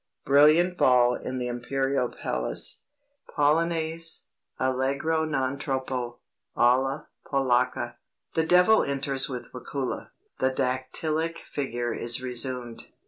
BRILLIANT BALL IN THE IMPERIAL PALACE "(Polonaise, Allegro non troppo, alla Polacca.) The devil enters with Wakula (the dactyllic figure is resumed).